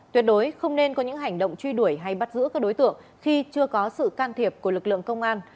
tuyệt đối không nên có những hành động truy đuổi hay bắt giữ các đối tượng khi chưa có sự can thiệp của lực lượng công an